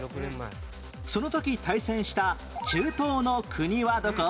その時対戦した中東の国はどこ？